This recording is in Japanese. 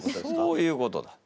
そういうことだ。